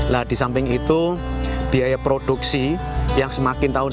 nah di samping itu biaya produksi yang semakin tahun